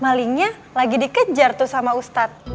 malingnya lagi dikejar tuh sama ustadz